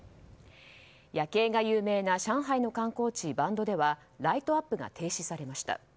夜景が有名な上海の観光地バンドではライトアップが停止されました。